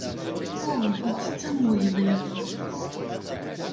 Uh, ittett am wegḍiḍ.